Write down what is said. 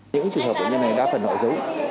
những trường hợp bệnh nhân này đã phần nội dung